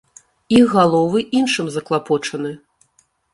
Іх галовы іншым заклапочаны.